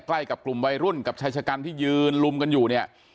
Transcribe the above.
ใกล้กับกลุ่มวัยรุ่นกับชายชะกันที่ยืนลุมกันอยู่เนี่ย